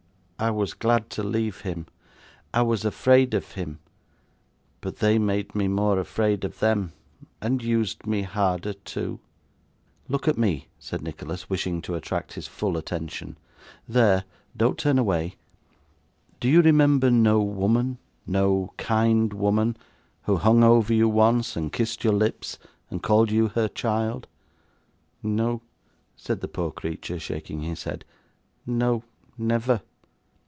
I was glad to leave him, I was afraid of him; but they made me more afraid of them, and used me harder too.' 'Look at me,' said Nicholas, wishing to attract his full attention. 'There; don't turn away. Do you remember no woman, no kind woman, who hung over you once, and kissed your lips, and called you her child?' 'No,' said the poor creature, shaking his head, 'no, never.